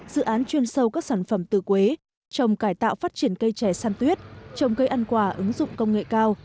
dự án chuyên sâu các sản phẩm từ quế trồng cải tạo phát triển cây trẻ săn tuyết trồng cây ăn quả ứng dụng công nghệ cao